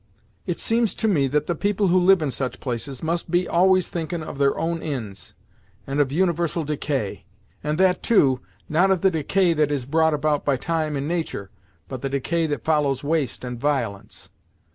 It seems to me that the people who live in such places must be always thinkin' of their own inds, and of universal decay; and that, too, not of the decay that is brought about by time and natur', but the decay that follows waste and violence.